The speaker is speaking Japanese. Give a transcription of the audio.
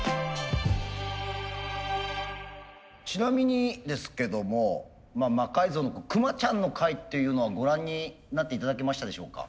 ちなみにですけども「魔改造」のクマちゃんの回っていうのはご覧になって頂けましたでしょうか？